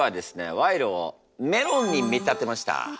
賄賂をメロンに見立てました。